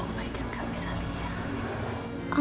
om baik gak bisa lihat